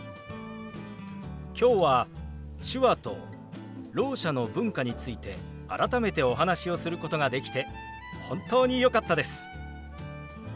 今日は手話とろう者の文化について改めてお話をすることができて本当によかったです。